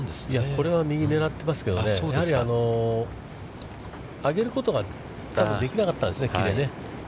これは右狙ってますけどね、やはり上げることができなかったんですね、木でね。